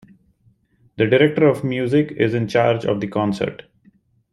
The director of music is in charge of the concert.